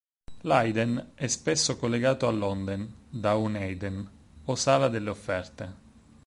L’"haiden" è spesso collegato all’"honden" da un "Heiden", o sala delle offerte.